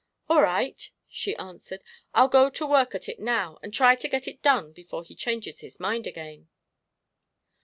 "All right," she answered; "I'll go to work at it now and try to get it done before he changes his mind again."